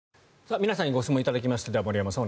皆さんにご質問頂きました森山さん